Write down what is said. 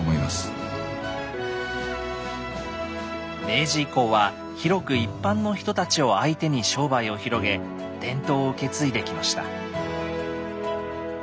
明治以降は広く一般の人たちを相手に商売を広げ伝統を受け継いできました。